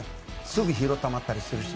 すぐ疲労たまったりするし。